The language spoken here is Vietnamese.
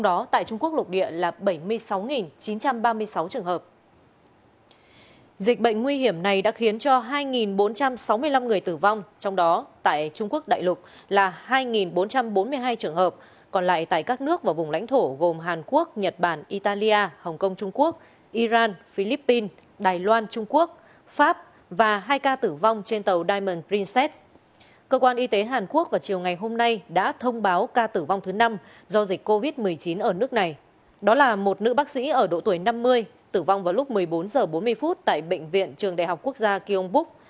bác sĩ ở độ tuổi năm mươi tử vong vào lúc một mươi bốn h bốn mươi tại bệnh viện trường đại học quốc gia kiêung búc